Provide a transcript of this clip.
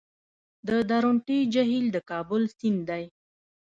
د درونټې جهیل د کابل سیند دی